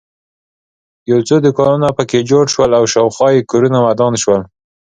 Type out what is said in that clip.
یو څو دوکانونه په کې جوړ شول او شاخوا یې کورونه ودان شول.